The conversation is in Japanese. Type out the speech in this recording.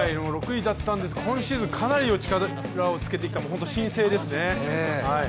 ６位だったんですが今シーズンかなり力をつけてきた本当に新星ですね。